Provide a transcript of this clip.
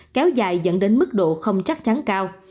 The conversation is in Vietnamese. kéo dài dẫn đến mức độ không chắc chắn cao